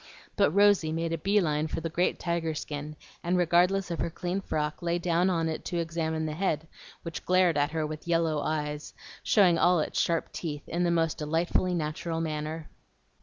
But Rosy made a bee line for the great tiger skin, and regardless of her clean frock lay down on it to examine the head, which glared at her with yellow eyes, showing all its sharp teeth in the most delightfully natural manner.